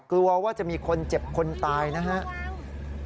กลัวว่าจะมีคนเจ็บคนตายนะครับ